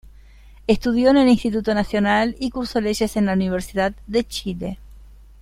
Estudió en Instituto Nacional y cursó Leyes en la Universidad de Chile.